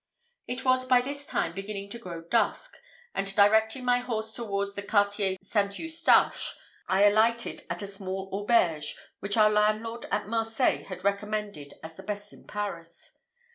It was by this time beginning to grow dusk, and directing my horse towards the Quartier St. Eustache, I alighted at a small auberge which our landlord at Marseilles had recommended as the best in Paris.